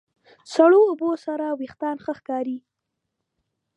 سړو اوبو سره وېښتيان ښه ښکاري.